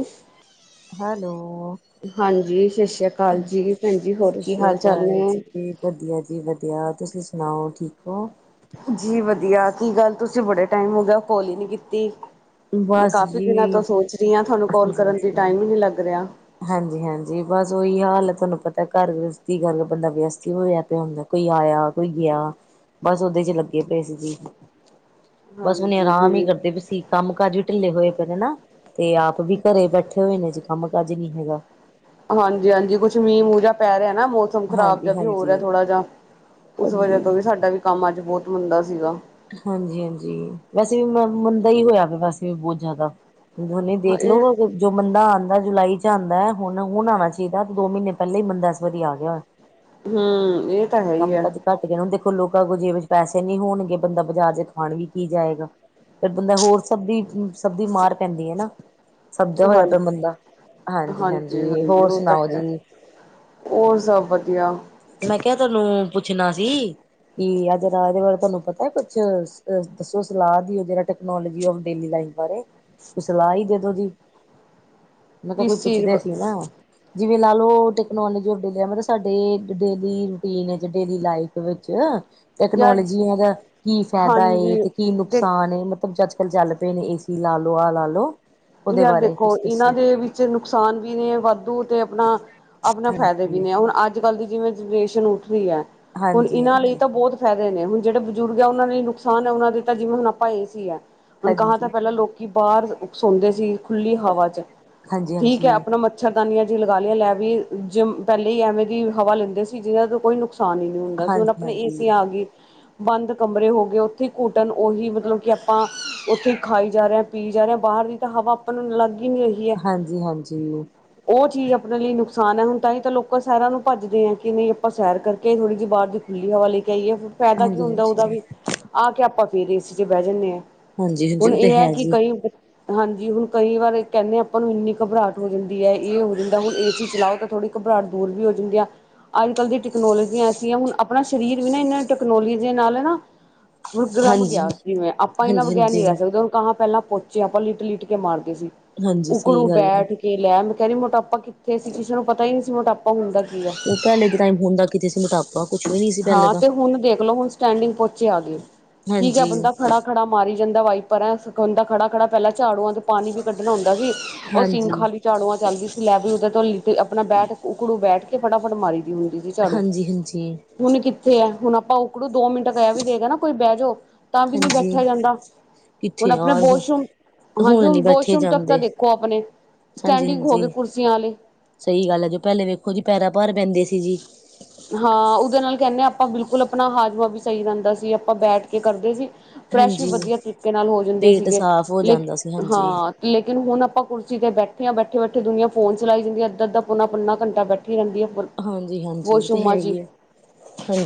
ਉਫ hello ਹਾਂਜੀ, ਸਤਿ ਸ੍ਰੀ ਅਕਾਲ ਜੀ, ਭੈਣ ਜ ਹੋਰ ਸਤਿ ਕੀ ਸ੍ਰੀ ਹਾਲ ਚਾਲ ਅਕਾਲ ਨੇ ਜੀ ਵਧੀਆ ਜੀ, ਵਧੀਆ, ਤੁਸੀਂ ਸੁਣਾਓ ਠੀਕ ਹੋ? ਜੀ ਵਧੀਆ, ਕੀ ਗੱਲ ਤੁਸੀਂ ਬੜੇ ਟਾਈਮ ਹੋ ਗਿਆ। ਕੋਲ ਹੀ ਨੀ ਕੀਤੀ ਮੈਂ ਬਸ ਕਾਫੀ ਜੀ ਦਿਨਾਂ ਤੋਂ ਸੋਚ ਰਹੀ ਹਾਂ ਤੁਹਾਨੂੰ ਕਾਲ ਕਰਨ ਦੀ ਟਾਈਮ ਹੀ ਨਹੀਂ ਲੱਗ ਰਿਹਾ। ਹਾਂਜੀ-ਹਾਂਜੀ, ਬਸ ਉਹੀ ਹਾਲ ਹੈ ਤੁਹਾਨੂੰ ਪਤਾ ਘਰ ਵਿਅਸਤੀ ਵਿੱਚ ਬੰਦਾ ਵਿਅਸਤ ਹੀ ਹੋਇਆ ਪਿਆ ਹੁੰਦਾ। ਕੋਈ ਆਇਆ ਕੋਈ ਗਿਆ ਬਸ ਉਹ ਓਦੇ ਚ ਲੱਗੇ ਪਏ ਸੀ ਜੀ ਬਸ ਹੁਣੇ ਹਾਂਜੀ ਆਰਾਮ ਹੀ ਜੀ ਕਰਦੇ ਪਏ ਸੀ ਕੰਮ ਕਾਜ ਵੀ ਢਿੱਲੇ ਹੋਏ ਪਏ ਨੇ ਨਾ ਤੇ ਆਪ ਵੀ ਘਰੇ ਬੈਠੇ ਹੋਏ ਨੇ ਚ ਕੰਮ ਕਾਜ ਨੀ ਹੈਗਾ। ਹਾਂਜੀ-ਹਾਂਜੀ, ਕੁੱਛ ਮੀਂਹ ਮੁਹ ਜਿਹਾ ਪੈ ਰਿਹਾ ਨਾ ਮ ਮੌਸਮ ਖ਼ਰਾਬ ਜਿਹਾ ਹਾਂਜੀ ਵੀ ਹੋਰ ਹੈ ਰਿਹਾ ਹਾਂਜੀ ਥੋੜਾ ਜਿਹਾ ਉਸ ਵਜਾ ਹਾਂਜੀ ਤੋਂ ਵੀ ਸਾਡਾ ਵੀ ਕੰਮ ਅੱਜ ਬਹੁਤ ਮੰੰਦਾ ਸੀਗਾ ਹਾਂਜੀ-ਹਾਂਜੀ ਵੈਸੇ ਵੀ ਮੰਦਾ ਹੀ ਹੋਇਆ ਵੀ ਵੈਸੇ ਵੀ ਬਹੁਤ ਜ਼ਿਆਦਾ [inaudible] ਹਾਂ ਦੇਖ ਇਹ ਲੋੋ ਜੋ ਮੰਦਾ ਆਉਂਦਾ ਜੁਲਾਈ ਚ ਆਉਂਦਾ ਹੈ ਹੁਣ ਹੁਣ ਆਉਣਾ ਚਾਹੀਦਾ ਤੇ ਦੋ ਮਹੀਨੇ ਪਹਿਲਾਂ ਹੀ ਮੰਦਾ ਇਸ ਵਾਰੀ ਆ ਗਿਆ ਹੋਇਆ। ਹਮ ਇਹ ਤਾਂ ਹੈ ਹੀ ਆ ਘੱਟ ਗਏ ਹੁਣ ਦੇਖੋ ਲੋਕਾਂ ਕੋ ਜੇ ਵਿੱਚ ਪੈਸੇ ਨੀ ਹੋਣਗੇ ਬੰਦਾ ਬਾਜ਼ਾਰ ਚ ਪਾਣੀ ਪੀ ਜਾਏਗਾ ਫਿਰ ਬੰਦਾ ਹੋਰ ਸਬੀ ਸਬਜ਼ੀ ਮਾਰ ਪੈਂਦੀ ਹੈ ਨਾ ਸੱਦਿਆ ਹੋਇਆ ਹਾਂਜੀ। ਪਿਆ ਬੰਦਾ ਹਾਂਜੀ ਹਾਂਜੀ-ਹਾਂਜੀ ਹੋਰ ਸੁਣਾਓ ਜੀ ਹੋਰ ਸਭ ਵਧੀਆ ਮੈਂ ਕਿਹਾ ਤੁਹਾਨੂੰ ਪੁੱਛਣਾ ਸੀ ਕਿ ਆ ਜਿਹੜਾ ਇਹਦੇ ਬਾਰੇ ਤੁਹਾਨੂੰ ਪਤਾ ਹੈ ਕੁਛ ਦੱਸੋ ਸਲਾਹ ਦੀਓ ਜਿਹੜਾ ਟੈਕਨੋਲੋਜੀ ਆਫ ਡੇਲੀ ਲਾਈਫ ਬਾਰੇ ਕੋਈ ਸਲਾਹ ਹੀ ਦੇ ਦੋ ਜੀ ਮੈਂ ਕਿਹਾ ਕੋਈ ਕਿਸ ਚੀਜ਼ ਪੁੱਛਦੇ ਸੀ ਨਾ ਜਿਵੇਂ ਲਾ ਲਓ ਟੈਕਨੋਲੋਜੀ ਅਪਡੇਲ ਮਤਲਬ ਸਾਡੇ ਡੇਲੀ ਰੂਟੀਨ ਵਿੱਚ ਡੇਲੀ ਲਾਈਫ ਵਿੱਚ ਯਾਰ ਟੈਕਨੋਲੋਜੀ ਇਹ ਦਾ ਕੀ ਫਾਇਦਾ ਏ ਹਾਂਜੀ ਤੇ ਕੀ ਦੇਖ ਨੁਕਸਾਨ ਏ ਮਤਲਬ ਜਦ ਚੱਲ ਪਏ ਨੇ ਏ ਸੀ ਲਾ ਲੋ ਆਹ ਲਾ ਲੋ ਯਾਰ ਦੇਖੋ ਇਹਨਾਂ ਦੇ ਵਿੱਚ ਨੁਕਸਾਨ ਵੀ ਨੇ ਵਾਧੂ ਤੇ ਆਪਣਾ ਆਪਣਾ ਫਾਇਦੇ ਵੀ ਹਾਂਜੀ ਨੇ ਹੈ ਹੁਣ ਅੱਜ ਕੱਲ ਦੀ ਜਿਵੇ ਜਨਰੇਸ਼ਨ ਉੱਠ ਰਹੀ ਹੈ ਹੁਣ ਹਾਂਜੀ ਇਹਨਾਂ ਲਈ ਹਾਂਜੀ ਹਾਂਜੀ ਤਾਂ ਬਹੁਤ ਫਾਇਦੇ ਨੇ ਹੁਣ ਜਿਹੜੇ ਬਜ਼ੁਰਗ ਆ ਉਹਨਾਂ ਨੇ ਨੁਕਸਾਨ ਹੈ ਉਹਨਾਂ ਦੇ ਤਾਂ ਜਿਵੇਂ ਹੁਣ ਆਪਾਂ ਏ ਸੀ ਹੈ ਹੁਣ ਕਾਂ ਤਾਂ ਹਾਂਜੀ ਪਹਿਲਾਂ ਲੋਕ ਕਿ ਬਾਹਰ ਸੌਦੇ ਸੀ ਖੁੱਲੀ ਹਵਾ ਚ ਠੀਕ ਹੈ ਹਾਂਜੀ ਆਪਣਾ ਮ ਮੱਛਰਦਾਨੀਆਂ ਜਿਹੀ ਲਗਾ ਲਈਆਂ ਲੈ ਵੀ ਜ ਪਹਿਲੇਾਂ ਹੀ ਐਵੇਂ ਦੀ ਹਵਾ ਲੈਂਦੇ ਸੀ ਜਿਹਨਾਂ ਤੋਂ ਕੋਈ ਨੁਕਸ ਨਸਾਨ ਹੀ ਨਹੀਂ ਹੁੰਦਾ ਸੀ ਹੁਣ ਹਾਂਜੀ ਆਪਣੇ ਏ ਹਾਂਜੀ ਸੀ ਆ ਗਏ ਬੰਦ ਕਮਰੇ ਹੋ ਗਏ ਉੱਥੇ ਘੂਟਣ ਉਹੀ ਮਤਲਬ ਕਿ ਆਪਾਂ ਉੱਥੇ ਹੀ ਖਾਈ ਜਾ ਰਹੇ ਹਾਂ ਪੀ ਜਾ ਰਹੇ ਹਾਂ ਬਾਹਰ ਦੀ ਤਾਂ ਹਵਾ ਆਪਾਂ ਨੂੰ ਲੱਗ ਹੀ ਨੀ ਰਹੀ ਹੈ ਹਾਂਜੀ-ਹਾਂਜੀ ਉਹ ਚੀਜ਼ ਆਪਣੇ ਲਈ ਨੁਕਸਾਨ ਹੈ ਹੁਣ ਤਾਂ ਹੀ ਤਾਂ ਲੋਕਾਂ ਸੈਰਾਂ ਨੂੰ ਭੱਜਦੇ ਆ ਕਿ ਨਹੀਂ ਆਪਾਂ ਸੈਰ ਕਰਕੇ ਥੋੜ੍ਹੀ ਜਿਹੀ ਬਾਹਰ ਦੀ ਖੁੱਲੀ ਹਵਾ ਲੈ ਕੇ ਆਈਏ ਫਿਰ ਫਾਇਦਾ ਕੀ ਹੁੰਦਾ ਉਹਦਾ ਹਾਂਜੀ-ਹਾਂਜੀ, ਵੀ ਆ ਕੇ ਆਪਾਂ ਫੇਰ ਏਸੀ ਚ ਬਹਿ ਜਾਂਦੇ ਹਾਂ ਹਾਂਜੀ-ਹਾਂਜੀ ਹੁਣ ਉਹ ਤੇ ਇਹ ਹੈ ਕਿ ਜੀ। ਕਈ ਹਾਂਜੀ ਹੁਣ ਕਈ ਵਾਰ ਕਹਿੰਦੇ ਆਪਾਂ ਨੂੰ ਇੰਨੀ ਘਬਰਾਹਟ ਹੋ ਜਾਂਦੀ ਹੈ ਇਹ ਹੋ ਜਾਂਦਾ ਹੁਣ ਏ ਸੀ ਚਲਾਓ ਤਾਂ ਥੋੜ੍ਹੀ ਘਬਰਾਹਟ ਦੂਰ ਵੀ ਹੋ ਜਾਂਦੀ ਆ ਅੱਜ ਕੱਲ੍ਹ ਦੀ ਟੈਕਨੋਲੋਜੀ ਐਸੀ ਆ ਹੁਣ ਆਪਣਾ ਸਰੀਰ ਵੀ ਨਾ ਇਹਨਾਂ ਟੈਕਨੋਲੋਜੀ ਦੇ ਨਾਲ ਨਾ ਬੁਕਰਮ ਹਾਂਜੀ, ਗਿਆ ਸੀ ਮੈਂ ਆਪਾਂ ਇਹਨਾਂ ਬਗ਼ੈਰ ਨੀ ਹਾਂਜੀ-ਹਾਂਜੀ, ਹਾਂਜੀ ਰਹਿ ਸਕਦੇ ਹੁਣ ਪਹਿਲਾਂ ਪੁੱ ੱਚੇ ਆਪਾਂ ਲਿਟ ਲਿਟ ਕੇ ਮਾਰਦੇ ਸੀ ਹਾਂਜੀ ਸਹੀ ਉਕੜੂ ਗੱਲ ਹੈ। ਬੈਠ ਕੇ ਲੈਮ ਤੇ ਮੋਟਾਪਾ ਕਿ ਇੱਥੇ ਸੀ ਕਿਸੇ ਨੂੰ ਪਤਾ ਹੀ ਨਹੀਂ ਸੀ ਮੋਟਪਾ ਹੁੰਦਾ ਕੀ ਆ ਉਹ ਪਹਿਲੇ ਦੇ ਟਾਈਮ ਹੁੰਦਾ ਕਿਤੇ ਸੀ ਮੋਟਾਪਾ ਕੁਛ ਵੀ ਨਹੀਂ ਸੀ ਪਹਿਲੇ ਹਾਂ ਤਾਂ ਤੇ ਹੁਣ ਦੇਖਲੋ ਹੁਣ ਸਟੈਂਡਿੰਗ ਪੋਚੇ ਆ ਗਏ ਠੀਕ ਹੈ ਹਾਂਜੀ ਬੰਦਾ ਖੜਾ ਖੜਾ ਮਾਰੀ ਜਾਂਦਾ ਵਾਈਪਰ ਹੈ ਹਦਾ ਖੜਾ ਖੜਾ ਪਹਿਲਾਂ ਝਾੜੂ ਤੇ ਪਾਣੀ ਵੀ ਕੱਢਣਾ ਹੁੰਦਾ ਸੀ ਉਹ ਹਾਂਜੀ, ਹਾਂਜੀ-ਹਾਂਜੀ, ਸਿੰਖਾਂਵਾਲੀ ਝਾੜੂਆਂ ਚੱਲਦੀ ਸੀ ਲੈ ਵੀ ਉਦੇ ਤੋਂ ਲਿ ਆਪਣਾ ਬੈਠ ਉਕੜੂ ਬੈਠ ਕੇ ਫਟਾਫਟ ਮਾਰੀ ਹੁੰਦੀ ਸੀ ਝਾੜੂ ਹਾਂਜੀ। ਹੁਣ ਕਿੱਥੇ ਆ ਹੁਣ ਆਪਾਂ ਉਕੜੂ ਦੋ ਮਿੰਟ ਕਹਿ ਵੀ ਦੇਗਾ ਨਾ ਕੋਈ ਬਹਿ ਜਾਓ ਤਾਂ ਵੀ ਨਹੀ ਹਾਂਜੀ ਬੈਠਿਆ ਜਾਂਦਾ ਕਿੱਥੇ ਹੁਣ ਆਪਣੇ ਯਾਰ ਵਾਸ਼ਰੂਮ ਹਾਂਜੀ ਹੁਣ ਨੀ ਬੈਠੇ ਵਾਸ਼ਰੂਮ ਤੱਕ ਤਾਂ ਜਾਂਦੇ ਦੇਖੋ ਆਪਣੇ ਸਟੈਂਡਿੰਗ ਹੋ ਗਏ ਹਾਂਜੀ-ਹਾਂਜੀ। ਕੁਰਸੀਆਂ ਵਾਲੇ ਸਹੀ ਗੱਲ ਹੈ ਜੋ ਪਹਿਲੇ ਵੇਖੋ ਜੀ ਪੈਰਾਾਂ ਭਾਰ ਪੈਂਦੇ ਸੀ ਜੀ ਹਾਂ ਉਹਦੇ ਨਾਲ ਕਹਿੰਦੇ ਹਾਂ ਆਪਾਂ ਬਿਲਕੁਲ ਆਪਣਾ ਹਾਜ਼ਮਾ ਵੀ ਸਹੀ ਰਹਿੰਦਾ ਸੀ ਆਪਾਂ ਬੈਠ ਕੇ ਕਰਦੇ ਸੀ ਫਰੈਸ਼ ਵੀ ਹਾਂਜੀ। ਵਧੀਆ ਤਰੀਕੇ ਨਾਲ ਹੋ ਜਾਂਦੇ ਪੇਟ ਸੀਗੇ ਸਾਫ਼ ਹੋ ਲੇ ਜਾਂਦਾ ਸੀ ਹਾਂ ਹਾਂਜੀ, ਲੇਕਿਨ ਹੁਣ ਆਪਾਂ ਕੁਰਸੀ 'ਤੇ ਬੈਠੇਾਂ ਬੈਠੇ ਬੈਠੇ ਦੁਨਆ ਫੋਨ ਚਲਾਈ ਜਾਂਦੀ ਅੱਧਾ ਅੱਧਾ ਪੁਣਾ ਪੰਨਾ ਘੰਟਾ ਬੈਠੀ ਰਹਿੰਦੀ ਹੈ ਹਾਂਜੀ- ਹਾਂਜੀ ਵਾਸਰੂਮਾ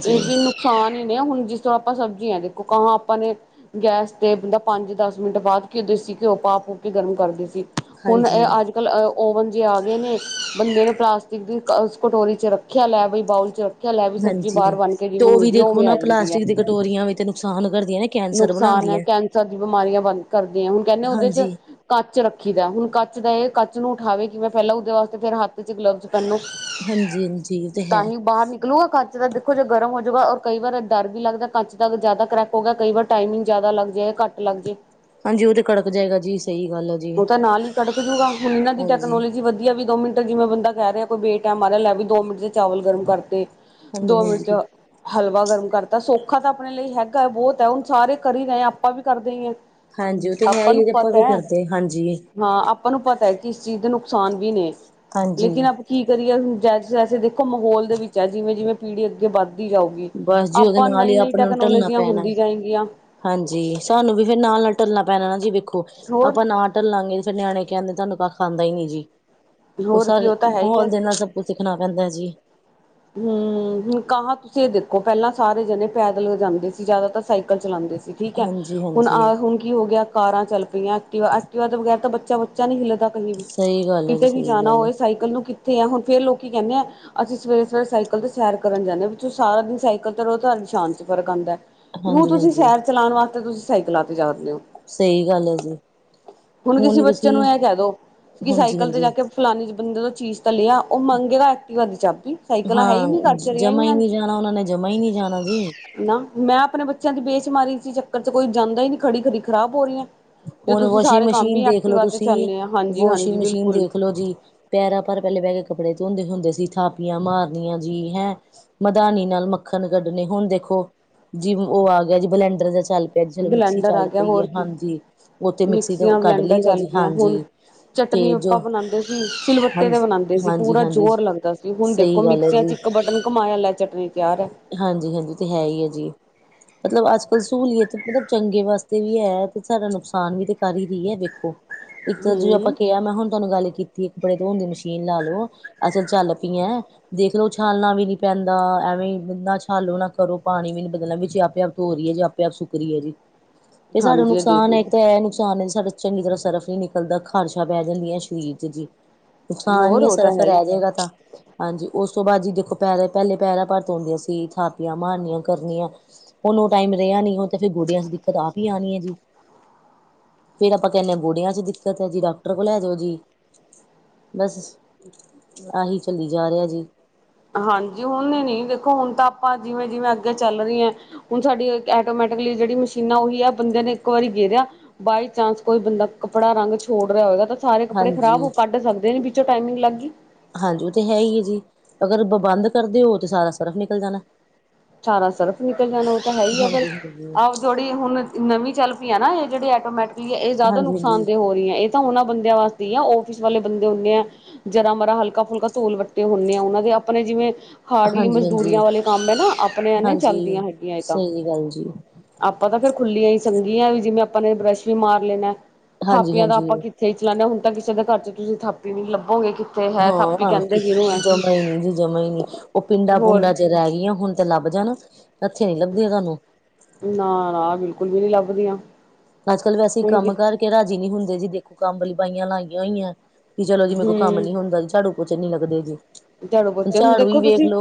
ਵਿਚ ਨੁਕਸਾਨ ਹੀ ਨੇ ਹੁਣ ਜਿਸ ਤਰ੍ਹਾਂ ਆਪਾਂ ਸਬਜ਼ੀ ਹ ਦੇਖੋ ਕਾਂ ਆਪਾਂ ਨੇ ਗੈਸ ਤੇ ਬੰਦਾ ਪੰਜ ਦਸ ਮਿੰਟ ਬਾਅਦ ਘਿਓ ਦੇ ਸੀ ਘਿਓ ਪਾ ਪੂ ਕੇ ਗਰਮ ਕਰਦੇ ਸੀ ਹੁਣ ਹਾਂਜੀ। ਅੱਜ ਕੱਲ੍ਹ ਓਵਨ ਜੇ ਆ ਗਏ ਨੇ ਬੰਦੇ ਨੇ ਪਲਾਸਟਿਕ ਦੀ ਕਟੋਰੀ ਚ ਰੱਖ ਰੱਖਿਆ ਲੈ ਵੀ ਬਾਊਲ ਚ ਰੱਖਿਆ ਲੈ ਵੀ ਸਬਜ਼ੀ ਹਾਂਜੀ ਬਾਹਰ ਬਣ ਕੇ ਤੇ ਜਿਵੇਂ ਉਹ ਵੀ ਹੁੰਦੀ ਹੈ ਦੇਖੋ ਉਵੇਂ ਨਾ ਆ ਜਾਂਦੀ ਹੈ ਪਲਾਸਟਿਕ ਦੀ ਕਟੋਰੀਆਂ ਵਿੱਚ ਨੁਕਸਾਨ ਕਰਦੀਆਂ ਨੇ ਕੈਂਸਰ ਨੁਕਸਾਨ ਹੈ ਬਣਾਉਂਦੀਆਂ। ਕੈਂਸਰ ਦੀ ਬਿਮਾਰੀਆਂ ਬਦ ਕਰਦੀਆਂ ਹੁਣ ਕਹਿੰਦੇ ਉਹਦੇ ਚ ਹਾਂਜੀ ਕੱਚ ਰੱਖੀ ਦਾ ਹੁਣ ਕੱਚ ਦਾ ਇਹ ਕੱਚ ਨੂੰ ਉਠਾਵੇ ਕਿ ਮੈਂ ਪਹਿਲਾਂ ਉਹਦੇ ਵਾਸਤੇ ਫੇਿਰ ਹੱਥ ਚ ਗਲਬਜ਼ ਤੈਨੂੰ, ਹਾਂਜੀ ਹਾਂਜੀ ਉਹ ਤੇ ਹੈ ਤਾਂਹੀ ਬਾਹਰ ਨਾਲ ਗਲੂ ਆ ਕਚ ਦਾ ਦੇਖੋ ਜ ਜੋ ਗਰਮ ਹੋਜੂਗਾ ਔਰ ਕਈ ਵਾਰ ਡਰ ਵੀ ਲੱਗਦਾ ਕਚ ਦਾ ਜ਼ਿਆਦਾ ਕਰੈਕ ਹੋ ਗਿਆ। ਕਈ ਵਾਰ ਟਾਈਮਿੰਗ ਜ਼ਿਆਦਾ ਲੱਗ ਜਾਏ, ਘੱਟ ਲੱਗ ਜਾਏ। ਹਾਂਜੀ ਉਹ ਤੇ ਕੜਕ ਜਾਏਗਾ ਜੀ ਸਹੀ ਗੱਲ ਹੈ ਜੀ। ਉਹ ਤਾਂ ਨਾਲ ਹੀ ਕੜਕ ਜੂਗਾ ਹੁਣ ਇਹਨਾਂ ਦੀ ਹਾਂਜੀ ਟੈਕਨੋਲੋਜੀ ਵਧੀਆ ਵੀ ਦੋ ਮਿੰਟ ਜਿਵੇਂ ਬੰਦਾ ਕਹਿ ਰਿਹਾ ਕੋਈ ਬੇ ਟੈਮ ਆ ਰਹਾ ਲੈ ਵੀ ਦੋ ਮਿੰਟ ਚ' ਚਾਵਲ ਗਰਮ ਕਰਤੇ। ਹਾਂਜੀ ਦੋ ਮਿੰਟ ਹਾਂਜੀ ਚ' ਹਲਵਾ ਗਰਮ ਕਰਤਾ ਸੌਖਾ ਤਾਂ ਆਪਣੇ ਲਈ ਹੈਗਾ ਬਹੁਤ ਹੈ ਹੁਣ ਸਾਰੇ ਕਰੀ ਰਹੇ ਆ ਆਪਾਂ ਵੀ ਕਰਦੇ ਹੀਏ। ਹਾਂਜੀ, ਉਹਥੇ ਮੈ ਹੀ ਆ ਜੇ ਆਪਾਂ ਵੀ ਕਰਦੇ। ਹਾਂਜੀ। ਹਾਂ, ਆਪਾਂ ਨੂੰ ਪਤਾ ਹੈ ਕਿ ਇਸ ਚੀਜ਼ ਦੇ ਨੁਕਸਾਨ ਵੀ ਨੇ। ਹਾਂਜੀ ਲੇਕਿਨ ਕੀ ਕਰੀਏ। ਹੂਣ ਜੈਸੈ -ਜੈਸੇ ਦੇਖੋ ਮਾਹੌਲ ਦੇ ਵਿੱਚ ਹੈ ਜਿਵੇਂ -ਜਿਵੇਂ ਪੀੜ੍ਹੀ ਅੱਗੇ ਵੱਧ ਜਾਊਗੀ। ਬਸ ਜੀ ਉਹਦੇ ਆਪਾਂ ਨਾਲ ਨਈ ਹੀ ਨਈ ਆਪਾਂ ਨੂੰ ਢਲਣਾ ਟੈਕਨੋਲੋਜੀਆਂ ਪੈਣਾ। ਹੁੰਦੀ ਜਾਏਗੀਆਂ। ਹਾਂਜੀ, ਸਾਨੂੰ ਵੀ ਫੇਰ ਨਾਲ ਨਾਲ ਢੱਲਣਾ ਪੈਣਾ ਨਾ ਜੀ ਵੇਖੋ। ਹੋਰ ਆਪਾਂ ਨਾ ਢਲਾਂਗੇ ਫੇਰ ਨਿਆਣੇ ਕਹਿੰਦੇ ਤੁਹਾਨੂੰ ਕੱਖ ਆਉਂਦਾ ਨੀ ਜੀ। ਉਹ ਹੋਰ ਕੀ ਤਾਂ ਹੈ ਹੀ ਮਾਹੌਲ ਹੈ ਦੇ ਨਾਲ ਸ ਉਹ ਸਿੱਖਣਾ ਪੈਂਦਾ ਜੀ। ਹਮ, ਹੁਣ ਕਾਂ ਤੁਸੀਂ ਇਹ ਦੇਖੋ ਪਹਿਲਾਂ ਸਾਰੇ ਜਣੇ ਪੈਦਲ ਜਾਂਦੇ ਸੀ ਜਿਆਦਾਤਰ ਸਾਈਕਲ ਚਲਾਉਂਦੇ ਸੀ। ਠੀਕ ਹੈ ਹਾਂਜੀ ਹੁਣ ਹਾਂਜੀ ਆ। ਹੁਣ ਕੀ ਹੋ ਗਿਆ ਕਾਰਾਂ ਚੱਲ ਪਈਆਂ, ਐਕਟਵਾ ਐਕਟਵਾ ਦੇ ਬਗੈਰ ਤਾਂ ਬੱਚਾ- ਬੱਚਾ ਨਹੀ ਹਿੱਲਦਾ। ਕਹੀ ਵੀ ਸਹੀ ਗੱਲ ਹੈ ਜੀ ਕਿਤੇ ਵੀ ਸਹੀ ਜਾਣਾ ਗੱਲ ਹੈ ਹੋਵੇ ਸਾਈਕਲ ਨੂੰ ਕਿੱਥੇ ਆ ਹੁਣ ਫੇਰ ਲੋਕੀ ਕਹਿੰਦੇ ਆ ਅਸੀਂ ਸਵੇਰੇ ਸਾਈਕਲ ਤੇ ਸੈਰ ਕਰਨ ਜਾਂਦੇ ਵਿੱਚੋਂ ਸਾਰਾ ਦਿਨ ਸਾਈਕਲ ਤੇ ਰਹੋ ਤੁਹਾਡਾ ਸ਼ਾਨ ਚ' ਫ਼ਰਕ ਆਂਦਾ ਹੈ। ਉ ਹਾਂਜੀ ਤੁਸੀਂ ਹਾਂਜੀ ਸੈਰ ਚਲਾਉਣ ਵਾਸਤੇ ਤੁਸੀਂ ਸਾਈਕਲਾਂ ਤੇ ਜਾਦੇ ਹੋ। ਸਹੀ ਗੱਲ ਹੈ ਜੀ ਹੁਣ ਕਿਸੇ ਹੀ ਬੱਚੇ ਨੂੰ ਤੁਸੀਂ ਇਹ ਕਹਿ ਦੋ ਕਿ ਹਾਂਜੀ ਸਾਈਕਲ ਤੇ ਹਾਂਜੀ ਜਾ ਕੇ ਫਲਾਾਣੇ ਬੰਦੇ ਦਾ ਚੀਜ਼ ਤਾਂ ਲਿਆ ਉਹ ਮੰਗੇਗਾ ਐਕਟੀਵਾ ਦੀ ਚਾਬੀ। ਸਾਈਕਲਾਂ ਹੈ ਹੀ ਹਾਂ, ਨਹੀਂ ਘਰ ਚ ਰਹੀਆਂ ਜਮਾ ਹੀ ਹਨ ਨਹੀਂ ਜਾਣਾ ਉਹਨਾਂ ਨੇ ਜਮਾ ਹੀ ਨਹੀਂ ਜਾਣਾ ਜੀ। ਨਾ, ਮੈਂ ਆਪਣੇ ਬੱਚਿਆਂ ਦੀ ਬੇਸ਼ੁਮਾਰੀ ਚ' ਚੱਕਰ ਚ' ਕੋਈ ਜਾਂਦਾ ਹੀ ਨੀ। ਖੜੀ- ਖੜੀ ਖਰਾਬ ਹੋ ਰਹੀ ਹੈ। ਹੁਣ ਵਾਸ਼ਿੰਗ ਮਸ਼ੀਨ ਦੇਖਲੋ ਤੁਸੀਂ, ਚੱਲਣੇ ਆ ਹਾਂਜੀ ਹਾਂਜੀ ਵਾਸ਼ਿੰਗ ਮਸ਼ੀਨ ਬਿਲਕੁਲ ਦੇਖਲੋ ਜੀ। ਪੈਰਾਂ ਪਰ ਪਹਿਲੇ ਬਹਿ ਕੇ ਕੱਪੜੇ ਧੋਂਦੇ ਹੁੰਦੇ ਸੀ। ਥਾਪੀਆਂ ਮਾਰਨੀਆਂ ਜੀ ਹੈਂ। ਮਧਾਨੀ ਨਾਲ ਮੱਖਣ ਕੱਢਣੇ ਹੁਣ ਦੇਖੋ ਜੀ, ਉਹ ਆ ਗਿਆ ਜੀ ਬਲੈਂਡਰ ਦਾ ਚੱਲ ਪ ਚਲੋ, ਮਿਕਸੀ ਬਲੈਂਡਰ ਆ ਚੱਲ ਗਿਆ ਪਈ ਹੋਰ ਹੈ ਕੀ ਹਾਂਜੀ। ਉਥ ਮਿਕਸੀ ਤੇ ਮਿਕਸੀਆਂ ਕੱਢ ਬਲੈਂਡਰ ਲਈ ਦਾ ਚੱਲ ਜੀ। ਗਈਆਂ ਹਾਂਜੀ। ਹੁਣ ਚਟਨੀ ਤੇ ਜੋ ਆਪਾਂ ਬਣਾਉਂਦੇ ਸੀ ਸਿਲਵੱਟੇ ਦੇ ਹਾਂਜੀ ਬਣਾਉਂਦੇ ਸੀ। ਹਾਂਜੀ ਪੂਰਾ ਹਾਂਜੀ ਜ਼ੋਰ ਲੱਗਦਾ ਸੀ ਹੁਣ ਦੇਖੋ ਸਹੀ ਗੱਲ ਹੈ ਮਿਕਸੀਆਂ ਚ' ਜੀ ਇੱਕ ਬਟਨ ਕਮਾਇਆ ਲੈ ਚਟਨੀ ਤਿਆਰ ਹੈ। ਹਾਂਜੀ- ਹਾਂਜੀ ਤੇ ਹੈ ਹੀ ਹੈ ਜੀ। ਮਤਲਬ ਅੱਜ ਕੱਲ੍ਹ ਸਹੂਲੀਅਤ ਮਤਲਬ ਚੰਗੇ ਵਾਸਤੇ ਵੀ ਹੈ ਤੇ ਸਾਡਾ ਨੁਕਸਾਨ ਵੀ ਤੇ ਕਰ ਹੀ ਰਹੀ ਹੈ ਦੇਖੋ। ਇੱਕ ਤਾਂ ਜ ਆਪਾਂ ਹਮ ਕਿਹਾ ਮੈਂ ਹੁਣ ਤੁਹਾਨੂੰ ਗੱਲ ਕੀਤੀ ਕੱਪੜੇ ਧੋਣ ਦੀ ਮਸ਼ੀਨ ਲਾ ਲਓ। ਅਸਲ ਚੱਲ ਪਈ ਐਂ। ਦੇਖਲੋ ਉਛਾਲਣਾ ਵੀ ਨੀ ਪੈਂਦਾ। ਨਾ ਛਾਲੋ ਨਾ ਕਰੋ ਪਾਣੀ ਵੀ ਨੀ ਬਦਲ ਵੀ ਜੇ ਆਪੇ- ਆਪ ਧੋ ਰਹੀਏ ਜੇ ਆਪੇ -ਆਪ ਸੁੱਕ ਰਹੀਏ ਜੀ। ਇਹ ਸਾਡਾ ਹਾਂਜੀ ਦੇਖ ਨੁਕਸਾਨ ਹੈ ਲਓ ਇੱਕ ਤਾਂ ਇਹ ਨੁਕਸਾਨ ਹੈ ਸਾਡਾ। ਚੰਗੀ ਤਰ੍ਹਾਂ ਸਰਫ ਨੀ ਨਿਕਲਦਾ। ਖਰਸ਼ਾ ਬਹਿ ਜਾਂਦੀਆਂ ਸਰੀਰ ਚ' ਜੀ। ਨੁਕਸਾਨ ਹੀ ਹੋਰ ਹੈ ਉਹ ਤਾਂ ਸਫ ਹੀ ਰਹਿ ਜਾਏਗਾ ਤਾਂ। ਹਾਂਜੀ, ਉਸ ਤੋਂ ਬਾਅਦ ਜੀ ਦੇਖੋ ਪੈਰ ਪਹਿਲੇ ਪੈਰਾਂ ਭ ਉਂਦੀਆਂ ਸੀ ਥਾਪੀਆਂ ਮਾਰਨੀਆਂ ਕਰਨੀਆਂ। ਉਹੁਨੂੰ ਟਾਈਮ ਰਿਹਾ ਨੀ ਹੁਣ। ਫਿਰ ਗੋਡਿਆਂ ਚ' ਦਿੱਕਤ ਆਪ ਹੀ ਆਣੀ ਹੈ ਜੀ। ਫੇਰ ਆਪਾਂ ਕਹਿੰਦੇ ਹਾਂ ਗੋੜਿਆਂ ਚ' ਦਿੱਕਤ ਹੈ ਜੀ ਡਾਕਟਰ ਕੋਲ ਲੈ ਜਾਓ ਜੀ। ਬਸ, ਆਹੀ ਚੱਲੀ ਜਾ ਰਿਹਾ ਜੀ। ਹਾਂਜੀ ਹੁਣ ਨ ਨੀ। ਦੇਖੋ ਹੁਣ ਤਾਂ ਆਪਾਂ ਜਿਵੇਂ -ਜਿਵੇਂ ਅੱਗੇ ਚੱਲ ਰਹੀ ਹੈ। ਹੁਣ ਸਾਡੀ ਐਟੋਮੈਟਿਕਲੀ ਜਿਹੜੀ ਮਸ਼ੀਨਾਂ ਉਹੀ ਆ ਬੰਦਿਆਂ ਨੇ ਇੱਕ ਵਾਰੀ ਗੇਰਿਆ। ਬਾਈ ਚਾਂਸ ਕੋਈ ਬੰਦਾ ਕੱਪੜਾ ਰੰਗ ਛੋੜ ਰਿਹਾ ਹੋਏਗਾ। ਸਾਰੇ ਕੱਪੜੇ ਖਰਾਬ ਹਾਂਜੀ ਉਹ ਕੱਢ ਸਕਦੇ ਨੇ ਵਿੱਚੋਂ ਟਾਈਮਿੰਗ ਲੱਗ ਗਈ। ਹਾਂਜੀ ਉਹ ਤੇ ਹੈ ਹੀ ਹੈ ਜੀ। ਅਗਰ ਬੰਦ ਕਰਦੇ ਹੋ ਤਾਂ ਸਾਰਾ ਸਰਫ ਨਿਕਲ ਜਾਣਾ। ਸਾਰਾ ਸਰਫ ਨਿਕਲ ਜਾਣਾ ਉਹ ਤਾਂ ਹੈ ਹੀ। ਹੈ ਬ ਹਾਂਜੀ ਹਾਂਜੀ। ਆਓ ਜੋ ਜਿਹੜੀ ਹੁਣ ਨਵੀਂ ਚੱਲ ਪਈ ਹੈ ਨਾ ਇਹ ਜਿਹੜੀ ਐਟੋਮੈਟਿਕਲੀ ਹੈ ਇਹ ਜ਼ਿਆਦਾ ਹਾਂਜੀ ਨੁਕਸਾਨ ਹਾਂਜੀ ਦੇ ਹੋ ਰ ਇਹ ਤਾਂ ਉਹਨਾਂ ਬੰਦਿਆਂ ਵਾਸਤੇ ਹੀ ਆ ਆਫਿਸ ਵਾਲੇ ਬੰਦੇ ਹੁੰਦੇ ਆ। ਜਰਾ- ਮਰਾ, ਹਲਕਾ -ਫੁਲਕਾ ਧੂਲ ਵੱਟੇ ਹੁੰਦੇ ਆ। ਉਹਨਾਂ ਦੇ ਆਪਣੇ ਜਿਵੇਂ ਹਾਰਡਲੀ ਹਾਂਜੀ ਹਾਂਜੀ। ਮਜ਼ਦੂਰੀਆਂ ਵਾਲੇ ਕੰਮ ਹੈ ਨਾ, ਆਪਣੇ ਆਂ ਨੇ ਚੱਲਦੀਆਂ ਹਾਂਜੀ ਹੈਗੀਆਂ ਇਹਏ ਤਾਂ। ਸਹੀ ਗੱਲ ਜੀ ਆਪਾਂ ਤਾਂ ਫੇਰ ਖੁੱਲੀਆਂ ਹੀ ਸੰਘੀਆਂ ਵੀ ਨੀ ਜਿਵੇਂ, ਆਪਾਂ ਨੇ ਬਰੱਸ਼ ਵੀ ਮਾਰ ਲੈਣਾ, ਹਾਂਜੀ ਥਾਪੀਆਂ ਦਾ ਹਾਂਜੀ ਆਪਾਂ ਸਹੀ ਚਲਾਂਦੇ। ਹੁਣ ਕਿਸੇ ਘਰ ਚ ਤੁਸੀਂ ਥਾਪੀ ਲਭੋਗੇ। ਹਾਂ ਜਮਾ ਨੀ ਜੀ, ਜਮ ਹੀ ਨੀ ਉਹ ਹੋਰ ਪਿੰਡਾਂ-ਪੁੰਡਾਂ ਚ ਰਹਿ ਗਈਆਂ ਹੁਣ। ਥ ਲੱਭ ਜਾਣਾ, ਹੱਥੇ ਨੀ ਲੱਭਦੀਆ ਤੁਹਾਨੂੰ। ਨਾ, ਨਾ ਬਿਲਕੁਲ ਵੀ ਨਹੀਂ ਲੱਭਦੀਆਂ। ਅੱਜ-ਕੱਲ੍ਹ ਵੈਸੇ ਹੀ ਹੁਣ ਕਿ ਕੰਮ ਕਰਕੇ ਰਾਜੀ ਨਹੀਂ ਹੁੰਦੇ ਜੀ। ਦੇਖੋ ਕੰਮ ਵਾਲੀਆਂ ਬਾਈਆਂ ਲਾਈਆਂ ਹੋਈਆਂ। ਕਿ ਚਲੋ ਜੀ ਮੇਰੇ ਕੋ ਕੰਮ ਹੂੰ ਨੀ ਹੁੰਦਾ। ਝਾੜੂ ਪੋਚੇ ਨੀ ਲੱਗਦੇ ਜੀ। ਝਾੜੂ ਹੁਣ ਪੋਚੇ ਨੂੰ ਝਾੜੂ ਈ ਦੇਖੋ ਵੇਖ ਤੁਸੀਂ ਲੋ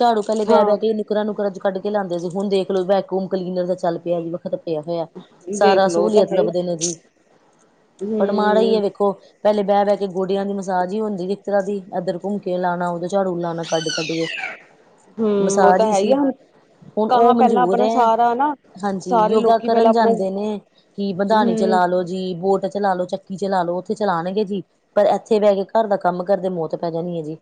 ਝਾੜੂ ਪਹਿਲੇ ਬਹਿ, ਹਾਂ ਬਹਿ ਕੇ ਕੁਕਾਂ ਨੂਕਰਾ ਚ ਕੱਢ ਲਉਂਦੇ ਸੀ, ਹੁਣ ਦੇਖ ਲੋ ਵੈਕੂਮ ਕਲੀਨਰ ਦਾ ਚੱਲ ਪਿਆ ਜੀ ਵੱਖਤ ਪਿਆ ਹੋਇਆ। ਸਾਰਾ ਦੇਖਲੋ ਉਹ ਤਾਂ ਸਹੂਲੀਅਤ ਹੈ ਹੀ ਲੱਭਦੇ ਨੇ ਜੀ, ਪਰ ਮਾੜਾ ਈ ਐ ਹੂੰ ਵੇਖੋ ਪਹਿਲੇ ਬਹਿ, ਬਹਿ ਕੇ ਗੋਡਿਆਂ ਦੀ ਮਸਾਜ ਈ ਹੁੰਦੀ ਇੱਕ ਤਰਾ ਦੀ। ਇੱਧਰ ਘੁੰਮ ਕੇ ਲਾਉਣਾ, ਉਹਦੋਂ ਝਾੜੂ ਲਉਣਾ ਕੱਢ, ਕੱਢ ਕੇ ਹੂੰ, ਓ ਮਸਾਜ ਤਾਂ ਹੈ ਹੀ ਸੀ ਆ ਹੁਣ। ਹੁਣ ਉਹ ਕਹਾਂ ਪਹਿਲਾਂ ਮਨਜੂਰ ਆਪਣਾ ਹੈ ਸਾਰਾ ਨਾ ਹਾਂਜੀ ਸਾਰੇ ਯੋਗਾ ਲੋਕੀ ਪਹਿਲਾਂ ਕਰਨ ਆਪਣਾ ਜਾਂਦੇ ਕਿ ਬੰਧਾਨੀ ਹੂੰ ਚਲਾ ਲੋ ਜੀ, ਬੋਟ ਚਲਾ ਲੋ ਚੱਕੀ ਚਲਾ ਲੋ ਓਤੇ ਚਲਾਉਣਗੇ ਜੀ। ਪਰ ਇੱਥੇ ਬਹਿ ਕੇ ਘਰ ਦਾ ਕੰਮ ਕਰਦੇ ਮੌਤ ਪੈ ਜਾਣੀ ਐ ਜੀ।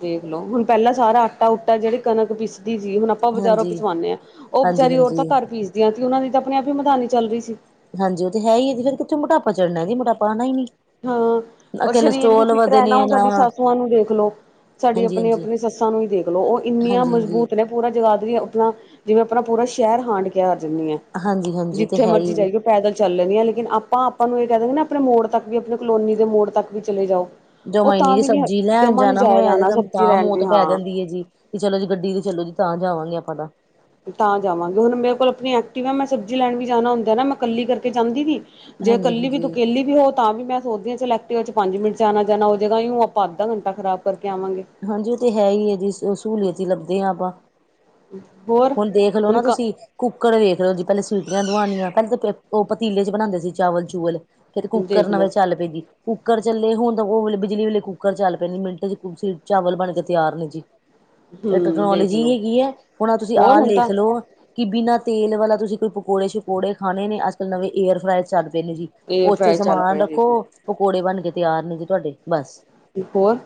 ਦੇਖਲੋ ਹੁਣ ਪਹਿਲਾਂ ਸਾਰਾ ਆਟਾ-ਉਟਾ ਜਿਹੜੀ ਕਣਕ ਪਿਸਦੀ ਸੀ, ਹੁਣ ਆਪਾਂ ਬਜਾਰੋਂ ਹਾਂਜੀ ਪਿਛਵਾਉਂਨੇ ਆ। ਉਹ ਹਾਂਜੀ ਬਚਾਰੀ ਹਾਂਜੀ ਔਰਤਾਂ ਘਰ ਪੀਸਦੀਆ ਤੇ ਉਹਨਾ ਦੀ ਤਾਂ ਆਪਣੇ ਆਪ ਹੀ ਮਧਾਨੀ ਚੱਲ ਰਹੀ ਸੀ। ਹਾਂਜੀ, ਉਹ ਤਾਂ ਹੈ ਹੀ ਈ, ਫੇਰ ਕਿਥੋਂ ਮੋਟਾਪਾ ਚੜ੍ਹਨਾ ਸੀ। ਮੋਟਾਪਾ ਆਣਾ ਈ ਨੀ। ਨਾ ਹਾਂ ਸਰੀਰ ਵੀ ਕੋਲਸਟ੍ਰੋਲ ਫਿੱਟ ਵਧੇ ਰਹਿਣਾ। ਨੇ ਹੁਣ, ਨਾ ਸਾਡੀ ਸਾਸੂ ਮਾਂ ਨੂੰ ਦੇਖਲੋ। ਸਾਡੀ ਹਾਂਜੀ ਆਪਣੀ, ਹਾਂਜੀ ਆਪਣੇ ਸੱਸਾਂ ਨੂੰ ਈ ਦੇਖਲੋ ਉਹ ਇੰਨੀਆਂ ਹਾਂਜੀ ਹਾਂਜੀ ਮਜ਼ਬੂਤ ਨੇ। ਪੂਰਾ ਜਗਾ ਦਏ ਆਪਣਾ ਜਿਵੇਂ, ਆਪਣਾ ਪੂਰਾ ਸ਼ਹਿਰ ਹਾਂਡ ਕੇ ਆ ਜਾਂਦੀ ਹ ਹਾਂਜੀ ਹਾਂਜੀ ਉਹ ਤੇ ਜਿੱਥੇ ਹੈ ਹੀ ਮਰਜ਼ੀ ਹੈ ਜੀ। ਜਾਈਗੀ ਪੈਦਲ ਚੱਲ ਲੈਂਨੀ ਆ ਲੇਕਿਨ ਆਪਾਂ, ਆਪਾਂ ਨੂੰ ਇਹ ਕਹਿ ਦੇਨ ਆਪਣੇ ਮੋੜ ਤੱਕ ਵੀ ਆਪਣੇ ਕਲੋਨੀ ਦੇ ਮੋੜ ਤੱਕ ਵੀ ਚਲੇ ਜਾਓ ਉਹ ਜਮਾ ਈ ਨੀ ਤਾਂ ਜੀ ਵੀ ਸਬਜ਼ੀ ਲੈਨ ਜਮਾ ਨੀ ਜਾਨਾ ਜਾਇਆ ਹੋਏ ਜਾਣਾ ਤੇ ਸਬਜ਼ੀ ਤਾਂ ਲੈਣ ਮੌਤ ਵੀ ਪੈ ਹਾਂ। ਜਾਂਦੀ ਐ ਜੀ। ਤੇ ਚਲੋ ਜੀ ਗੱਡੀ ਤੇ ਚਲੋ ਜੀ ਤਾਂ ਜਾਵਾਂਗੇ ਆਪਾਂ ਤਾਂ ਤਾਂ ਜਾਵਾਂਗੇ ਹੁਣ ਮੇਰੇ ਕੋਲ ਆਪਣੀ ਐਕਟਿਵਾ ਆ। ਮੈਂ ਸਬਜ਼ੀ ਲੈਣ ਵੀ ਜਾਣਾ ਹੁੰਦਾ ਨਾ, ਮੈਂ ਕੱਲੀ ਕਰਕੇ ਜਾਂਦੀ ਨੀ ਜੇ ਇਕੱਲੀ ਵੀ ਤੂੰ ਹਾਂਜੀ-ਹਾਂਜੀ। ਹਾਂਜੀ ਕੇਲੀ ਵੀ ਉਹ ਤਾਂ ਵੀ ਮੈਂ ਸੋਚਦੀ ਆ, ਚਲ ਐਕਟੀਵਾ ਚ ਪੰਜ ਮਿੰਟ ਚ ਆਣਾ ਜਾਣਾ ਹੋ ਜਾਣਾ। ਜੋ ਆਪਾਂ ਅੱਧਾ ਘੰਟਾ ਖਰਾਬ ਕਰਕੇ ਆਵਾਂਗੇ। ਹਾਂਜੀ ਉਹ ਤੇ ਹੈ ਈ ਐ ਜੀ ਸਹੂਲੀਅਤ ਹੀ ਲੱਭਦੇ ਹਾਂ ਆਪਾਂ ਹੋਰ ਹੁਣ ਦੇਖਲੋ ਨਾ ਤੁਸੀਂ ਕੁੱਕਰ ਵੇਖ ਲਹੋ ਜੀ, ਪਹਿਲੇ ਸੀਟੀਆਂ ਦਆਉਣੀਆਂ ਪਹਿਲੇ ਤੇ ਉਹ ਪਤੀਲੇ ਚ ਬਣਾਦੇ ਸੀ ਚਾਵਲ-ਚੂਵਲ ਫਿਰ ਕੁੂੱਕਰ ਨਵੇਂ ਦੇਖਲੋ ਚੱਲ ਪਏ ਜੀ। ਕੁੱਕਰ ਚੱਲੇ, ਹੁਣ ਉਹ ਵਲੇ ਬਿਜਲੀ ਵਾਲੇ ਕ ਕੁੱਕਰ ਚੱਲ ਪਏ ਮਿੰਟ ਚ ਚਾਵਲ ਬਣ ਕੇ ਤਿਆਰ ਨੇ ਜੀ। ਇਕ ਹੂੰ ਟੈਕਨੋਲੋਜੀ ਦੇਖਲੋ ਹੈਗੀ ਆ ਹੁਣ ਤੁਸੀਂ ਹੋਰ ਆਹ ਹੁਣ ਤਾਂ ਲਿਖ ਲਓ ਕਿ ਬਿਨਾਂ ਤੇਲ ਵਾਲਾ ਤੁਸੀਂ ਕੋਈ ਪਕੌੜੇ-ਸ਼ਕੌੜੇ ਖਾਣੇ ਨੇ, ਅਜ-ਕੱਲ ਨਵੇਂਏਅਰ ਫਰਾਈ ਚੱਲ ਪਏ ਨੇ ਜੀ। ਇਹ ਓਥੇ ਫਰਾਈ ਚੱਲ ਸਮਾਨ ਪਏ ਰੱਖੋ ਦੇਖਲੋ ਪਕੌੜੇ ਬਣ ਕੇ ਤਿਆਰ ਨੇ ਜੀ ਤੁਹਾਡੇ ਬਸ। ਹੋਰ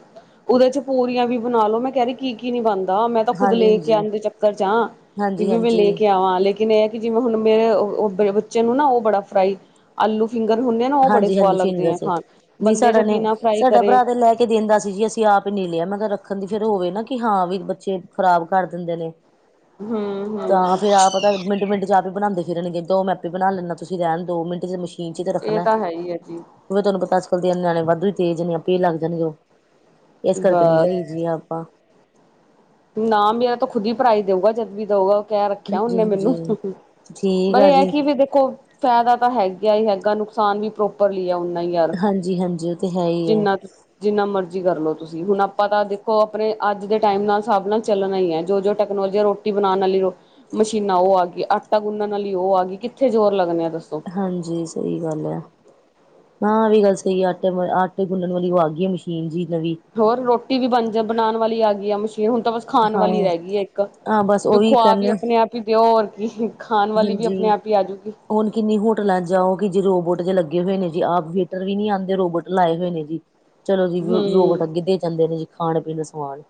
ਉਹਦੇ ਚ ਪੂਰੀਆਂ ਵੀ ਬਣਾ ਲੋੋ ਮੈਂ ਕਹਿ ਰਹੀ ਕੀ ਕੀ ਨਹੀਂ ਬਣਦਾ ਮੈਂ ਤਾਂ ਖੁਦ ਹਾਂਜੀ ਲੈ ਕੇ ਹਾਂਜੀ ਆਣ ਦੇ ਚੱਕਰ ਚ ਆ ਕਿ ਹਾਂਜੀ ਵੀ, ਮੈਂ ਲੈ ਹਾਂਜੀ ਕੇ ਆਵਾਂ ਲੇਕਿਨ ਕਿਨ ਕਿ ਜਿਵੇਂ, ਹੁਣ ਮੇਰੇ ਬੱਚੇ ਨੂੰ ਨਾ ਉਹ ਬੜਾ ਫਰਾਈ ਆਲੂ ਫਿੰਗਰ ਹੁੰਦੇ ਆ ਨਾ, ਉਹ ਬੜੇ ਹਾਂਜੀ ਸਵਾਦ ਹਾਂਜੀ ਲੱਗਦੇ ਫਿੰਗਰ ਆ ਚ ਖਾਣ, ਨਹੀਂ ਬੰਦੇ ਜੇ ਸਾਡਾ ਨੇ ਬਿਨਾਂ ਫਰਾਈ ਸਾਡਾ ਕਰੇ ਭਰਾ ਤੇ ਲੈ ਦਿੰਦਾ ਸੀ ਜੀ। ਅਸੀਂ ਆਪ ਈ ਨੀ ਲਿਆ ਮੈਂ ਕਿਹਾ ਰੱਖਣ ਦੀ ਫੇਰ ਹੋਵੇ ਨਾ ਕਿ ਹਾਂ ਵੀ ਬੱਚੇ ਖ਼ਰਾਬ ਕਰ ਦਿੰਦੇ ਨੇ। ਹੂੰ ਹੂੰ ਤਾਂ ਫੇਰ ਆਪ ਤਾਂ ਮਿੰਟ, ਮਿੰਟ ਚ ਆਪ ਬਣਾਦੇ ਫਿਰਨਗੇ ਦੋ ਮੈ ਆਪੇ ਬਣਾ ਲੈਦਾ, ਤੁਸੀਂ ਰਹਿਣ ਦੋ ਮਿੰਟ ਚ ਮਸ਼ੀਨ ਚ ਇਹ ਤਾਂ ਹੈ ਈ ਆ ਜੀ। ਉਵੇ ਤੁਹਾਨੂੰ ਤਾ ਅੱਜ-ਕਲ ਦੇ ਨਿਆਣੇ ਵਾਧੂ ਤੇਜ ਨੇ ਆਪੇ ਲਗ ਜਾਣਗੇ ਉਹ ਇਸ ਕਰਕੇ ਨੀ ਲਈ ਬਸ ਜੀਏ ਆਪਾਂ। ਨਾ ਮੇਰਾ ਤਾਂ ਖੁਦ ਹੀ ਭਰਾ ਈ ਦੇਊਗਾ ਜਦ ਵੀ ਦਊਗਾ। ਕਹਿ ਰੱਖਿਆ ਹਾਂਜੀ ਉਹਨੇ ਮੈਨੂੰ। ਹਾਂਜੀ ਠੀਕ ਪਰ, ਆ ਇਹ ਜੀ ਕਿ ਵੀ ਦੇਖੋ ਫ਼ਾਇਦਾ ਤਾਂ ਹੈਗਾ ਈ ਹੈਗਾ ਨੁਕਸਾਨ ਵੀ ਪ੍ਰੋ ਹਾਂਜੀ ਹਾਂਜੀ ਉਹ ਤੇ ਹੈ ਹੀ ਹੈ [inaudible] ਜਿੰਨਾ ਮਰਜ਼ੀ ਕਰ ਲਓ ਤੁਸੀਂ ਹੁਣ ਆਪਾਂ ਤਾਂ ਦੇਖੋ ਆਪਣੇ ਅੱਜ ਦੇ ਟਾਈਮ ਨਾਲ ਸ ਹਸਾਬ ਨਾਲ ਚੱਲਣਾ ਈ ਏ, ਜੋ ਦੋ ਟੈਕਨੋਲੋਜੀ ਏ ਰੋਟੀ ਬਣਾਉਣ ਵਾਲੀ ਮਸ਼ੀਨਾ ਉਹ ਆ ਗਈ, ਆਟਾ ਗੁੰਨਣ ਵਾਲੀ ਉਹ ਆ ਗਈ, ਕਿੱਥੇ ਜ਼ੋਰ ਲੱਗਣਾ ਦੱਸੋ। ਹਾਂਜੀ ਸਹੀ ਗੱਲ ਐ। ਆ ਵੀ ਗੱਲ ਸਹੀ ਆਟੇ, ਆਟੇ ਗੁੰਨਣ ਵਾਲੀ ਉਹ ਆ ਗਈ ਮਸ਼ੀਨ ਜੀ ਨਵੀ ਹੋਰ ਰੋਟੀ ਵੀ ਬਣ ਜਾ, ਬਣਾਣ ਵਾਲੀ ਆ ਗਈ ਆ, ਮਸ਼ੀਨ ਹੁਣ ਤਾਂ ਬਸ ਖਾਣ ਹਾਂ ਵਾਲੀ ਰਹਿ ਗਈ ਐ ਇੱਕ ਹਾਂ ਬਸ ਵੀ ਉਹੀ ਖੁਆ ਵੀ ਕਹਿੰਦੇ ਆਪਣੇ ਆਪ ਹੀ ਦਿਓ, ਹੋਰ ਕੀ, ਖਾਣ ਵਾਲੀ ਵੀ ਆਪਣੇ ਹਾਂਜੀ ਆਪ ਹੀ ਆਜੂਗੀ। ਹੁਣ ਕਿੰਨੀ ਹੋਟਲਾਂ ਜਾਓ, ਕਿ ਜੀ ਰੋਬੋਟ ਜੇ ਲੱਗੇ ਹੋਏ ਨੇਂ ਜੀ, ਆਪ ਵੇਟਰ ਵੀ ਨੀਂ ਆਉਂਦੇ ਰੋਬੋਟ ਲਾਏ ਹੋਏ ਨੇਂ ਜੀ। ਚਲੋ ਜੀ ਰੋ ਹਮ ਰੋਬਟ ਅੱਗੇ ਦੇ ਜਾਂਦੇ ਨੇਂ ਜੀ, ਖਾਣ-ਪੀਣ ਦਾ ਸਮਾਨ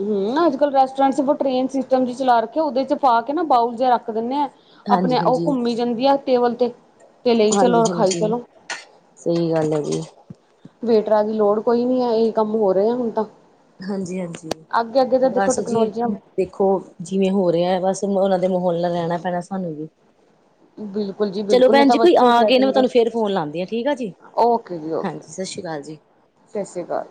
ਹਂ, ਅੱਜ-ਕੱਲ ਰੈਸਟੋਰੈਂਟ ਬ ਟਰੇਨ ਸਿਸਟਮ ਚਲਾ ਰੱਖਿਆ, ਉਹਦੇ ਚ ਪਾ ਕੇ ਨਾ ਬਾਊਲ ਜਿਹਾ ਰੱਖ ਦਿੰਣੇ ਆਂ। ਹਾਂਜੀ ਆਪਣੇ ਉਹ ਹਾਂਜੀ ਘੁੰਮੀ ਜਾਂਦੀ ਆ ਟੇਬਲ ਤੇ, ਤੇ ਲਈ ਚਲੋ ਔਰ ਹਾਂਜੀ ਖਾਈ ਹਾਂਜੀ ਚਲੋ। ਸਹੀ ਗੱਲ ਐ ਜੀ। ਵੇਟਰਾਂ ਦੀ ਲੋੜ ਕੋਈ ਨੀਂ ਐ, ਇਹ ਕੰਮ ਹੋ ਰਿਹੇ ਐ ਹੁਣ ਤਾਂ ਹਾਂਜੀ ਹਾਂਜੀ, ਅੱਗੇ ਅੱਗੇ ਤਾਂ ਦੇਖੋ ਬਸ ਜੀ। ਟੈਕਨੋਲੋਜੀਆਂ ਦੇਖੋ ਜਿਵੇਂ ਹੋ ਰਿਹਾ, ਬਸ ਉਹਨਾਂ ਦੇ ਮਾਹੌਲ ਨਾਲ ਰਹਿਣਾ ਪੈਣਾ ਸਾਨੂੰ ਵੀ [unintelligible] ਬਿਲਕੁਲ ਜੀ ਚਲੋ ਬਿਲਕੁਲ ਨਹੀਂ ਭੈਣ ਤਾਂ ਜੀ ਕੋਈ ਬੱਚੇ ਆ ਕਹਿ ਗਏ ਨੇਂ, ਮੈਂ ਦੇਣਗੇ ਤੁਹਾਨੂੰ ਫੇਰ ਫੋਨ ਲਾਂਦੀ ਆਂ, ਠੀਕ ਆ ਜੀ। ਓਕੇ ਜੀ। ਓਕੇ ਹਾਂਜੀ, ਸਤਿ ਸ਼੍ਰੀ ਅਕਾਲ ਜੀ। ਸਤਿ ਸ਼੍ਰੀ ਅਕਾਲ।